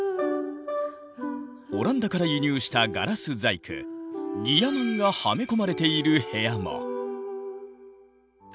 オランダから輸入したガラス細工ギヤマンがはめ込まれている部屋も。